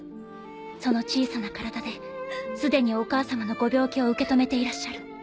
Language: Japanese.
その小さな体で既にお母様のご病気を受け止めていらっしゃる。